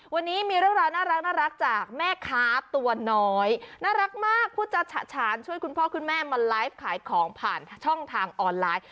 วันนี้มีเรื่องราวน่ารักจากแม่ค้าตัวน้อยน่ารักมากผู้จัดฉะฉานช่วยคุณพ่อคุณแม่มาไลฟ์ขายของผ่านช่องทางออนไลน์